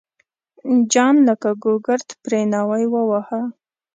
جان لکه ګوګرد پرې ناوی وواهه.